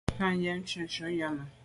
Tàa yen shunshun yàme.